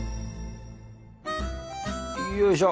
よいしょ！